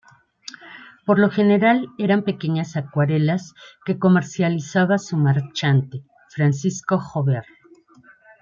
Por lo general eran pequeñas acuarelas que comercializaba su marchante, Francisco Jover.